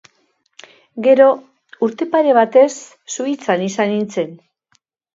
Gero, urte pare batez Suitzan izan nintzen.